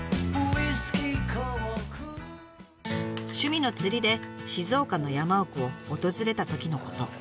趣味の釣りで静岡の山奥を訪れたときのこと。